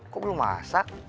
kok belum masak